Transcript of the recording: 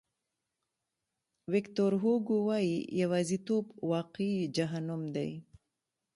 ویکتور هوګو وایي یوازیتوب واقعي جهنم دی.